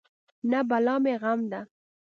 نه بلا مې غم ده.